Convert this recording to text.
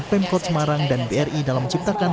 pemkot semarang dan bri dalam menciptakan